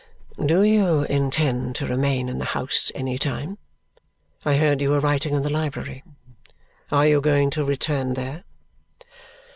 "Do you intend to remain in the house any time? I heard you were writing in the library. Are you going to return there?"